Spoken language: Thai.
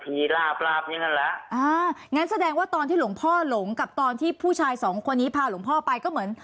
มีลาบลาบนี่นั่นแหละอ่างั้นแสดงว่าตอนที่หลวงพ่อหลงกับตอนที่ผู้ชายสองคนนี้พาหลวงพ่อไปก็เหมือน